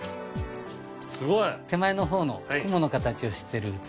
手前の方の雲の形をしてる器